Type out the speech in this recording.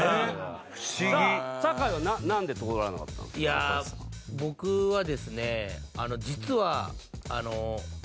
いや僕はですね実は。